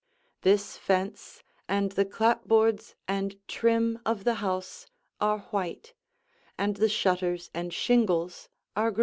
This fence, and the clapboards and trim of the house, are white, and the shutters and shingles are green.